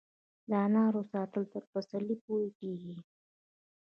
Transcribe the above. د انارو ساتل تر پسرلي پورې کیږي؟